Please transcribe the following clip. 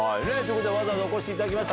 わざわざお越しいただきました